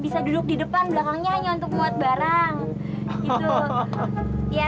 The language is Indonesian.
sampai jumpa di video selanjutnya